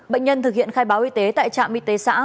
bệnh nhân thực hiện khai báo y tế tại trạm y tế xã